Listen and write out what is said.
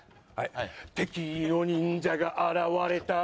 「敵の忍者が現れた」